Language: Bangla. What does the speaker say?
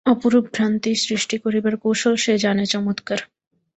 অপরূপ ভ্রান্তি সৃষ্টি করিবার কৌশল সে জানে চমৎকার।